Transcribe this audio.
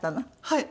はい。